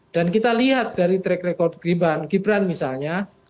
dan kita lihat dari track record gibran misalnya